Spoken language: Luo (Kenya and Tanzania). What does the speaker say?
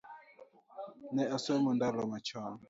Ne asomo ndalo machon